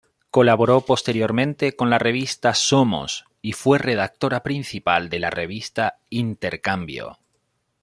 Colaboró posteriormente con la revista Somos y fue redactora principal de la revista Intercambio.